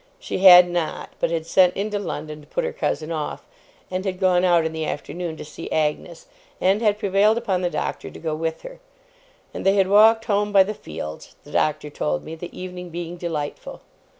She had not, but had sent into London to put her cousin off; and had gone out in the afternoon to see Agnes, and had prevailed upon the Doctor to go with her; and they had walked home by the fields, the Doctor told me, the evening being delightful.